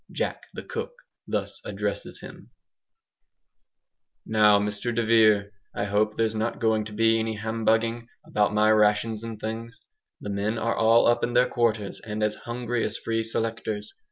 "Jack the Cook" thus addresses him: "Now, Mr de Vere, I hope there's not going to be any humbugging about my rations and things! The men are all up in their quarters, and as hungry as free selectors.